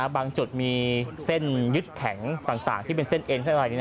บางจุดมีเส้นยึดแข็งต่างที่เป็นเส้นเอน